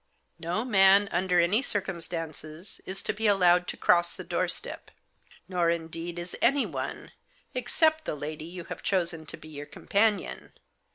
" No man, under any circumstances, is to be allowed to cross the doorstep ; nor, indeed, is anyone, except the lady you have chosen to be your companion."